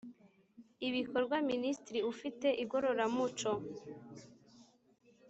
ibikorwa Minisitiri ufite igororamuco